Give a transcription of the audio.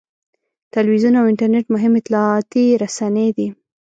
تلویزیون او انټرنېټ مهم اطلاعاتي رسنۍ دي.